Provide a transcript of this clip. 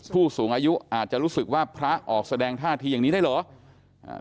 ผู้สูงอายุอาจจะรู้สึกว่าพระออกแสดงท่าทีอย่างนี้ได้เหรออ่า